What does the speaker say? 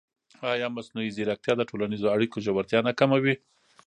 ایا مصنوعي ځیرکتیا د ټولنیزو اړیکو ژورتیا نه کموي؟